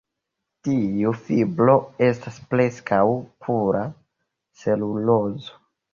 Tiu fibro estas preskaŭ pura celulozo.